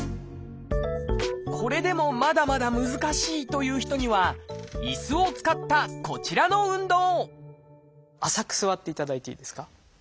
これでもまだまだ難しいという人には椅子を使ったこちらの運動浅く座っていただいていいですか。